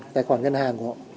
tài khoản ngân hàng của họ